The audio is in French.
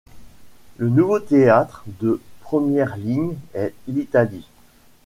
Le nouveau théâtre de première ligne est l'Italie.